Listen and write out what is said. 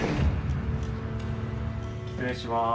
失礼します。